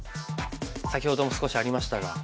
先ほども少しありましたが。